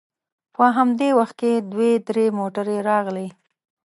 په همدې وخت کې دوې درې موټرې راغلې.